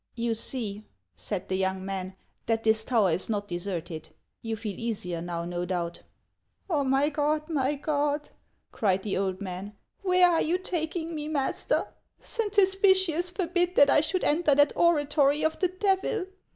"You see," said the young man, "that this tower is not deserted. You feel easier now, no doubt." " Oh, my God ! my God !" cried the old man, " where are you taking me, master ? Saint Hospitius forbid that I should enter that oratory of the Devil